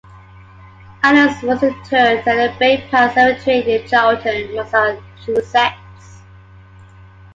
Adams was interred at the Bay Path Cemetery in Charlton, Massachusetts.